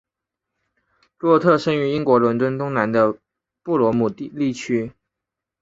洛特生于英国伦敦东南的布罗姆利区。